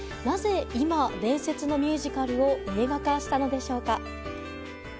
なぜ今、伝説のミュージカルを映画化したのでしょうか。